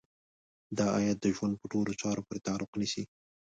دا ايت د ژوند په ټولو چارو پورې تعلق نيسي.